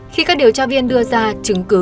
khi các điều tra viên đưa ra chứng cứ